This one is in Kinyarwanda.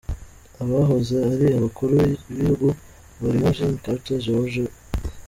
Abahoze ari abakuru b’ibihugu barimo Jimmy Carter, George W.